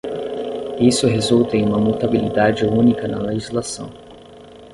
Isso resulta em uma mutabilidade única na legislação.